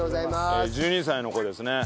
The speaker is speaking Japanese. １２歳の子ですね。